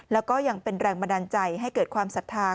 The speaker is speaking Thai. แล้วก็ยังเป็นแรงบันดาลใจให้เกิดความศรัทธา